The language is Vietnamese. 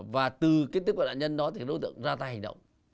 và từ tiếp cận đạn nhân đó thì đối tượng ra tay hành động